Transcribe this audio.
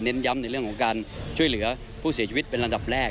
ย้ำในเรื่องของการช่วยเหลือผู้เสียชีวิตเป็นอันดับแรก